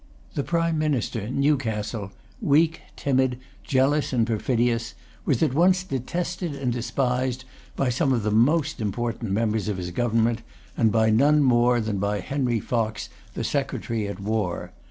The Prime Minister, Newcastle, weak, timid, jealous, and perfidious, was at once detested and despised by some of the most important members of his Government, and by none more than by Henry Fox, the Secretary at War.